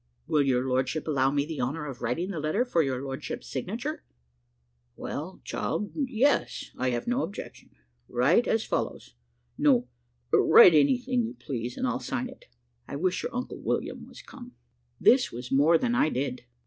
"Will your lordship allow me the honour of writing the letter for your lordship's signature?" "Well, child, yes I've no objection. Write as follows no write anything you please and I'll sign it. I wish your uncle William was come." This was more than I did.